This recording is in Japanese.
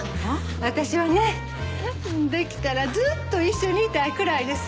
私はねできたらずっと一緒にいたいくらいです。